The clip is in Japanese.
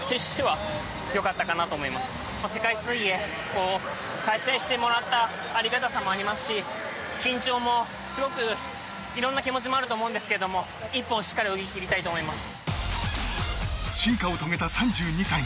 世界水泳を開催してもらったありがたさもありますし、緊張もいろいろな気持ちもありますが一本、しっかり泳ぎ切りたいと思います。